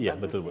iya betul bu